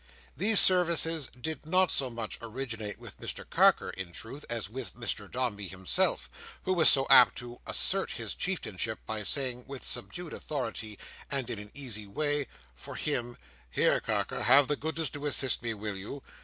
These services did not so much originate with Mr Carker, in truth, as with Mr Dombey himself, who was apt to assert his chieftainship by saying, with subdued authority, and in an easy way—for him—"Here, Carker, have the goodness to assist me, will you?"